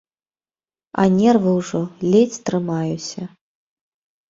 А нервы ўжо, ледзь трымаюся.